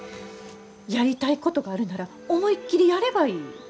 やりたいことがあるなら思いっきりやればいい。